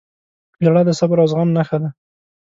• ژړا د صبر او زغم نښه ده.